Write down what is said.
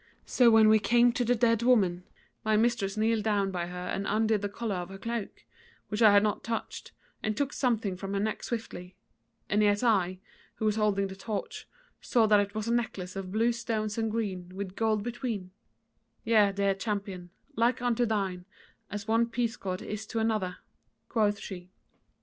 So when we came to the dead woman, my mistress kneeled down by her and undid the collar of her cloak, which I had not touched, and took something from her neck swiftly, and yet I, who was holding the torch, saw that it was a necklace of blue stones and green, with gold between Yea, dear Champion, like unto thine as one peascod is to another," quoth she.